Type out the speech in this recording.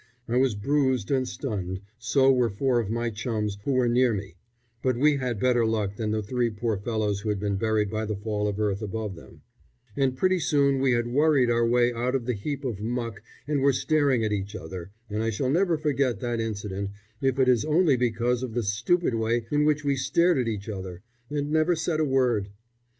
I was bruised and stunned so were four of my chums who were near me; but we had had better luck than the three poor fellows who had been buried by the fall of earth above them, and pretty soon we had worried our way out of the heap of muck and were staring at each other and I shall never forget that incident, if it is only because of the stupid way in which we stared at each other, and never said a word.